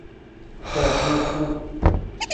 เปิดยูทูบ